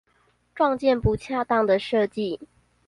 撞見不恰當的設計